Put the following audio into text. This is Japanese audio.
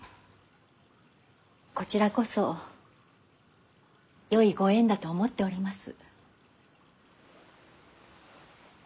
こちらこそよいご縁だと思っております。